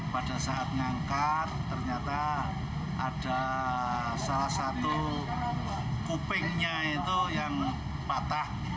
pada saat ngangkar ternyata ada salah satu kupingnya itu yang patah